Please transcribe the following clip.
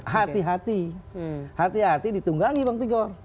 hati hati hati hati hati ditunggangi bang tigor